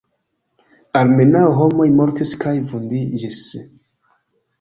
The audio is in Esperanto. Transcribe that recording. Almenaŭ homoj mortis kaj vundiĝis.